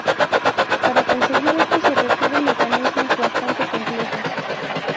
Para conseguir esto se requieren mecanismos bastante complejos.